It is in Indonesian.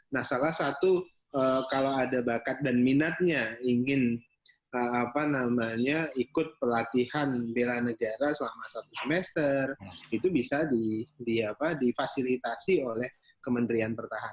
nah salah satu kalau ada bakat dan minatnya ingin ikut pelatihan bela negara selama satu semester itu bisa difasilitasi oleh kementerian pertahanan